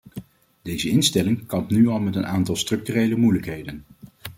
Deze instelling kampt nu al met een aantal structurele moeilijkheden.